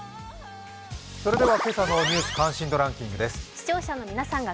それでは今朝の「ニュース関心度ランキング」です。